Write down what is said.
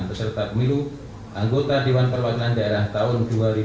beserta pemilu anggota dewan perwakilan daerah tahun dua ribu sembilan belas